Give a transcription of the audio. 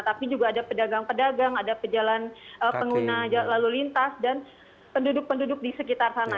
tapi juga ada pedagang pedagang ada pejalan pengguna lalu lintas dan penduduk penduduk di sekitar sana